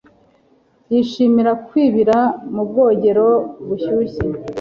Yishimira kwibira mu bwogero bushyushye.